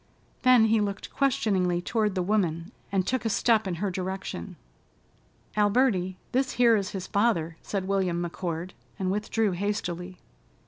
Then he looked questioningly toward the woman, and took a step in her direction. "Alberty, this here is his father," said William McCord and withdrew hastily. Mr.